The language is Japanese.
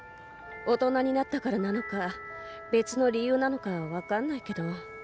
大人になったからなのか別の理由なのかは分かんないけど多分ね。